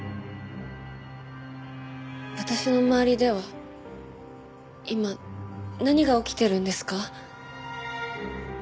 私の周りでは今何が起きているんですか？